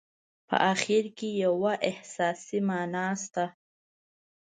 په اخر کې یوه احساسي معنا شته.